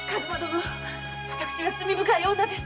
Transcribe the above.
私は罪深い女です。